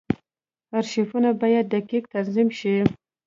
ارشیفونه باید دقیق تنظیم شي.